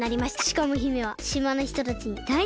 しかも姫はしまのひとたちにだいにんきなんです！